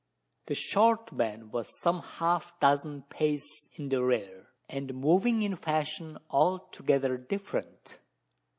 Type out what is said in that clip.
The short man was some half dozen paces in the rear; and moving in a fashion altogether different.